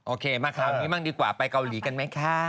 โอเคมาคราวนี้บ้างดีกว่าไปเกาหลีกันไหมคะ